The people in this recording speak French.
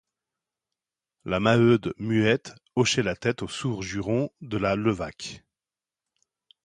La Maheude, muette, hochait la tête aux sourds jurons de la Levaque.